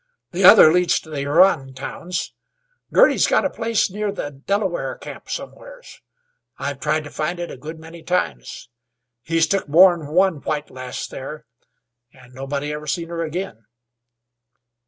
"The other leads to the Huron towns. Girty's got a place near the Delaware camp somewheres. I've tried to find it a good many times. He's took more'n one white lass there, an' nobody ever seen her agin."